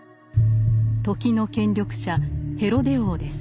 時の権力者ヘロデ王です。